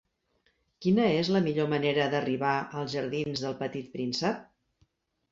Quina és la millor manera d'arribar als jardins d'El Petit Príncep?